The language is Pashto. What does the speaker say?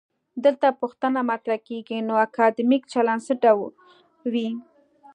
دلته پوښتنه مطرح کيږي: نو اکادمیک چلند څه ډول وي؟